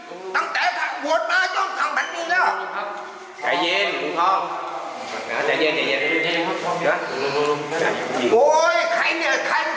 อุ๊ยเขาแย่ง